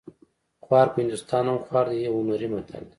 خوار په هندوستان هم خوار دی یو هنري متل دی